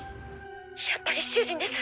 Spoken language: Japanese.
やっぱり主人です！